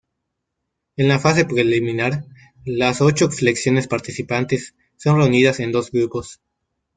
En la fase preliminar las ocho selecciones participantes son reunidas en dos grupos.